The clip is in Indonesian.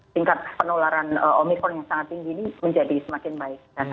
tingkat penularan omikron yang sangat tinggi ini menjadi semakin baik